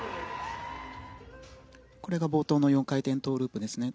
これが冒頭の４回転トウループですね。